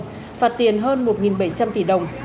phạt tiền hơn một bảy trăm linh tỷ đồng